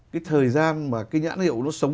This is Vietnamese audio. cái thời gian mà cái nhãn hiệu nó sống